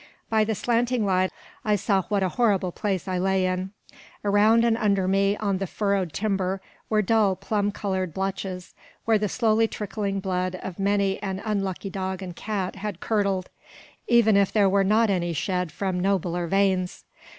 By the slanting light I saw what a horrible place I lay in. Around and under me, on the furrowed timber, were dull plum coloured blotches, where the slowly trickling blood of many an unlucky dog and cat had curdled; even if there were not any shed from nobler veins.